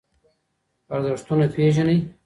ارزښتونه پېژنئ.